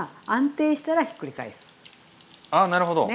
あなるほど。